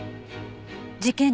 事件